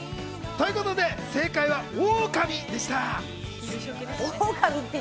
ということで正解はオオカミでした。